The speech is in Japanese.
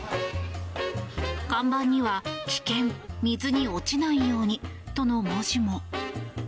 看板には、危険水に落ちないようにとの文字も。